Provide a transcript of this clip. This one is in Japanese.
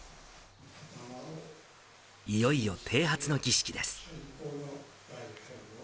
いよいよ、てい髪の儀式です。